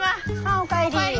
お帰り。